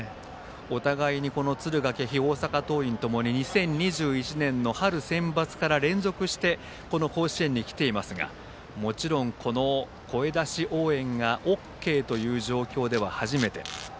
お互いに敦賀気比大阪桐蔭ともに２０２１年の春センバツから連続して甲子園に来ていますがもちろん声出し応援がＯＫという状況では初めて。